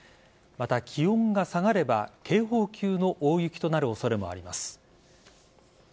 また、気温が下がれば警報級の大雪となる恐れもあります。